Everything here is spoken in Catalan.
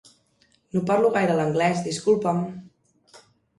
No parlo gaire l'anglés, disculpa'm.